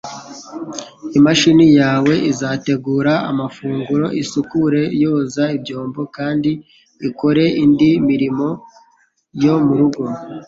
Imashini yawe izategura amafunguro, isukure, yoza ibyombo, kandi ikore indi mirimo yo murugo.